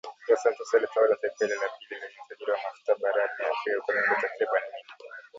Dos Santos alitawala taifa hilo la pili lenye utajiri wa mafuta barani Afrika kwa miongo takriban minne